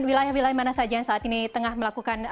wilayah wilayah mana saja yang saat ini tengah melakukan